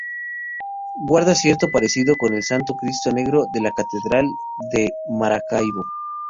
Guarda cierto parecido con el Santo Cristo Negro de la Catedral de Maracaibo.